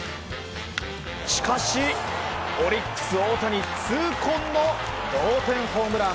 しかし、オリックス太田に痛恨の同点ホームラン。